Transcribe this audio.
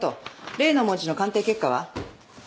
例の文字の鑑定結果は？